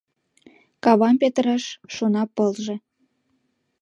Кавам петыраш шона пылже.